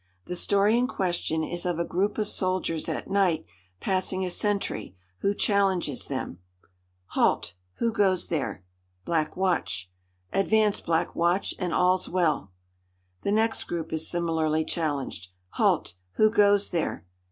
The story in question is of a group of soldiers at night passing a sentry, who challenges them: "Halt! Who goes there?" "Black Watch." "Advance, Black Watch, and all's well." The next group is similarly challenged: "Halt! Who goes there?"